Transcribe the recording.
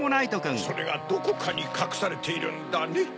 それがどこかにかくされているんだね。